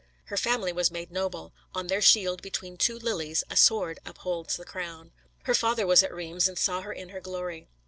Her family was made noble; on their shield, between two lilies, a sword upholds the crown. Her father was at Reims, and saw her in her glory.